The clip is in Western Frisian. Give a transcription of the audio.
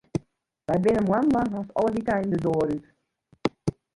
Wy binne moannen lang hast alle wykeinen de doar út.